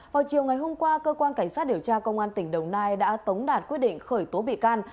vào chiều ngày hôm qua cơ quan cảnh sát điều tra công an tỉnh đồng nai đã tống đạt quyết định khởi tố bị can